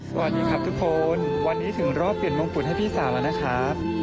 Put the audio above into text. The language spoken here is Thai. สวัสดีครับทุกคนวันนี้ถึงรอบเปลี่ยนมงกุฎให้พี่สาวแล้วนะครับ